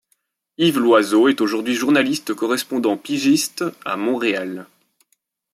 Yves Loiseau est aujourd'hui journaliste correspondant pigiste à Montréal.